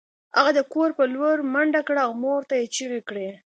هغه د کور په لور منډه کړه او مور ته یې چیغې کړې